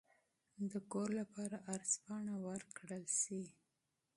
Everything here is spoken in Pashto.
د کور لپاره عرض پاڼه ورکړل شي.